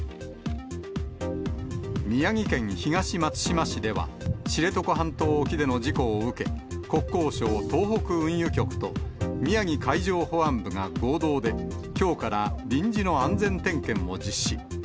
宮城県東松島市では、知床半島沖での事故を受け、国交省東北運輸局と、宮城海上保安部が合同で、きょうから臨時の安全点検を実施。